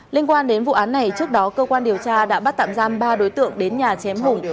liên quan đến vụ án này trước đó cơ quan điều tra đã bắt tạm giam ba đối tượng đến nhà chém hùng